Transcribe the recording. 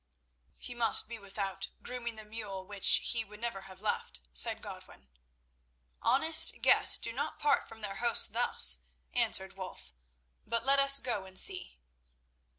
"He must be without, grooming the mule which he would never have left," said Godwin. "Honest guests do not part from their hosts thus," answered Wulf; "but let us go and see."